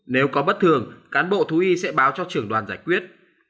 nếu có bất thường cán bộ thú y sẽ báo cho trưởng đoàn giải quyết